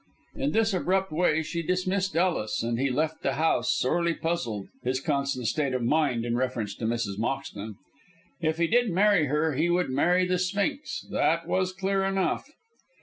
In this abrupt way she dismissed Ellis, and he left the house sorely puzzled, his constant state of mind in reference to Mrs. Moxton. If he did marry her he would marry the sphinx. That was clear enough.